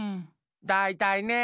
だいたいね！